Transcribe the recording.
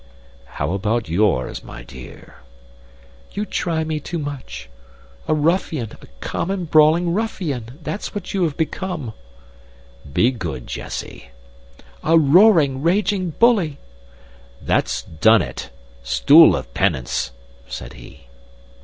"How about yours, my dear?" "You try me too much. A ruffian a common brawling ruffian that's what you have become." "Be good, Jessie." "A roaring, raging bully!" "That's done it! Stool of penance!" said he.